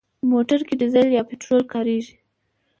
موټر کې ډيزل یا پټرول کارېږي.